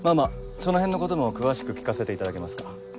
そのへんのことも詳しく聞かせていただけますか。